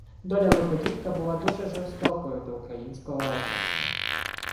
Доля-лиходійка була дуже жорстокою до українського етносу